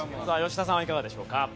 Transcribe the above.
さあ吉田さんはいかがでしょうか。